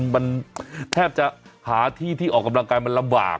มันแทบจะหาที่ที่ออกกำลังกายมันลำบาก